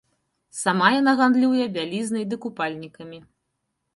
Сама яна гандлюе бялізнай ды купальнікамі.